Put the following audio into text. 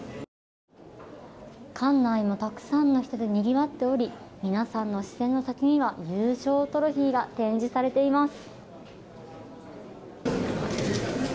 館外もたくさんの人でにぎわっており皆さんの視線の先には優勝トロフィーが展示されています。